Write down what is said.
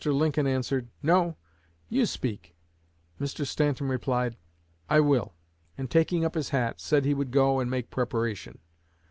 Lincoln answered, 'No; you speak,' Mr. Stanton replied, 'I will,' and taking up his hat, said he would go and make preparation.